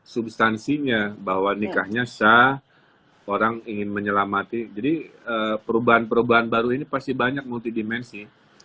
substansinya bahwa nikahnya sah orang ingin menyelamati jadi perubahan perubahan baru ini pasti banyak multidimensi